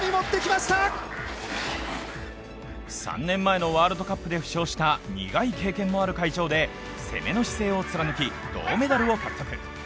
３年前のワールドカップで負傷した苦い経験のある会場で、攻めの姿勢を貫き、銅メダルを獲得